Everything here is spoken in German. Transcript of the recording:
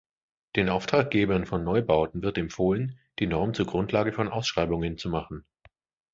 Den Auftraggebern von Neubauten wird empfohlen, die Norm zur Grundlage von Ausschreibungen zu machen.